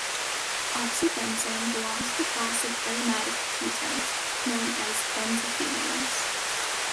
Oxybenzone belongs to the class of aromatic ketones known as benzophenones.